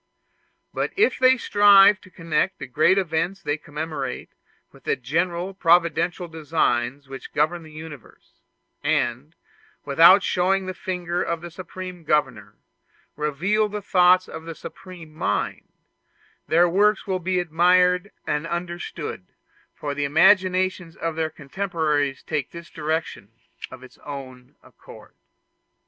But if they strive to connect the great events they commemorate with the general providential designs which govern the universe, and, without showing the finger of the Supreme Governor, reveal the thoughts of the Supreme Mind, their works will be admired and understood, for the imagination of their contemporaries takes this direction of its own accord.